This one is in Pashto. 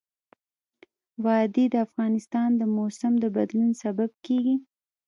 وادي د افغانستان د موسم د بدلون سبب کېږي.